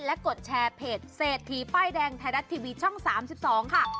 และกดแชร์เพจเศรษฐีป้ายแดงไทยรัฐทีวีช่อง๓๒ค่ะ